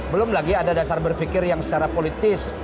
belum lagi ada dasar berpikir yang secara politis